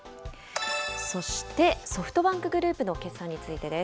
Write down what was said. そして、ソフトバンクグループの決算についてです。